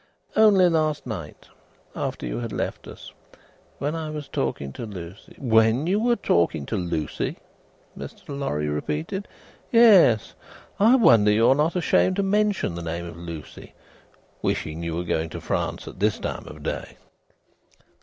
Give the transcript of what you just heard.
Only last night, after you had left us, when I was talking to Lucie " "When you were talking to Lucie," Mr. Lorry repeated. "Yes. I wonder you are not ashamed to mention the name of Lucie! Wishing you were going to France at this time of day!"